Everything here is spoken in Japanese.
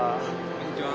こんにちは。